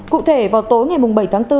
cụ thể vào tối ngày bảy tháng bốn